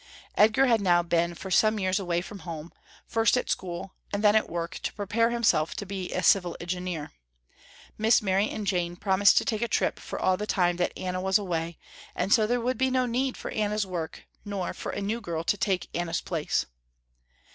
Edgar had now been for some years away from home, first at a school and then at work to prepare himself to be a civil engineer. Miss Mary and Jane promised to take a trip for all the time that Anna was away, and so there would be no need for Anna's work, nor for a new girl to take Anna's place.